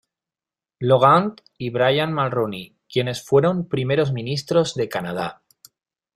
Laurent y Brian Mulroney, quienes fueron primeros ministros de Canadá.